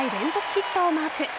ヒットをマーク。